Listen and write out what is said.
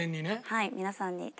はい。